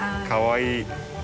かわいい。